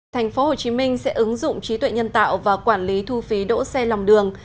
thành phố hồ chí minh sẽ ứng dụng trí tuệ nhân tạo và quản lý thu phí đỗ xe lòng đường